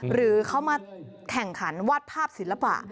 หรือเขามาแข่งขันวาดภาพศิลปะ